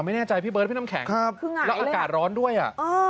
ไม่แน่ใจพี่เบิร์ดพี่น้ำแข็งและอากาศร้อนด้วยอ่ะ